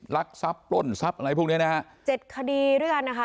ลักทรัพย์ปล้นทรัพย์อะไรพวกเนี้ยนะฮะเจ็ดคดีด้วยกันนะคะ